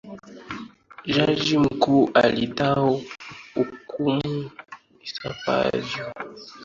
Jaji mkuu alitoa hukumu ipasavyo.